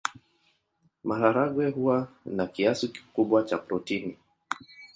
Maharagwe huwa na kiasi kikubwa cha protini.